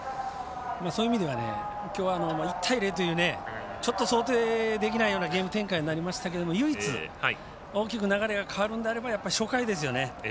そういう意味ではきょうは１対０というちょっと想定できないゲーム展開になりましたが唯一、流れが変わるのであれば初回ですよね。